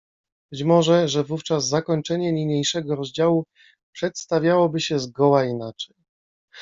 Być może, że wówczas zakończenie niniejszego rozdziału przedstawiałoby się zgoła inaczej.